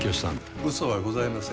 うそはございません。